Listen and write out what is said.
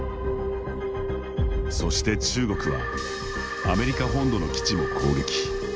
そして、中国はアメリカ本土の基地も攻撃。